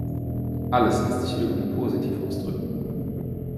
Alles lässt sich irgendwie positiv ausdrücken.